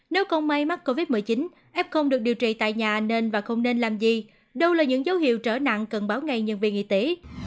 nếu không may mắc covid một mươi chín f được điều trị tại nhà nên và không nên làm gì đâu là những dấu hiệu trở nặng cần báo ngay nhân viên y tế